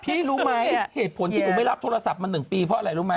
รู้ไหมเหตุผลที่หนูไม่รับโทรศัพท์มา๑ปีเพราะอะไรรู้ไหม